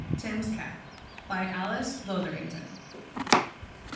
TIM'S CAT. BY ALICE LOTHERINGTON.